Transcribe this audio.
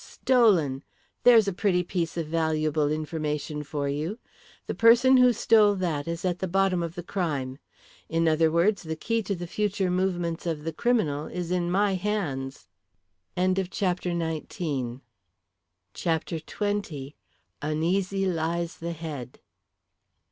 "Stolen! There's a pretty piece of valuable information for you. The person who stole that is at the bottom of the crime. In other words, the key to the future movements of the criminal is in my hands!" CHAPTER XX. "UNEASY LIES THE HEAD."